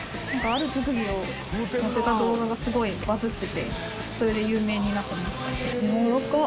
ある特技をのせた動画がすごいバズっててそれで有名になってます。